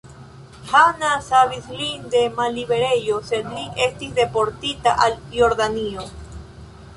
Hanna savis lin de malliberejo, sed li estis deportita al Jordanio.